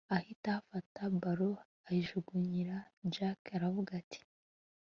ahita afata ballon ayijugunyira jack aravuga ati